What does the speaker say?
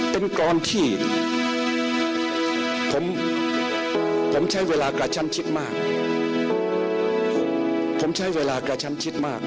เป็นกรอนที่ผมใช้เวลากระชั่นชิดมาก